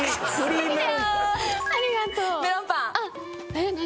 えっ何？